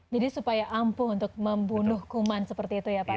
jadi supaya ampuh untuk membunuh kuman seperti itu ya pak